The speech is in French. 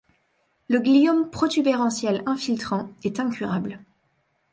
Le gliome protubérantiel infiltrant est incurable.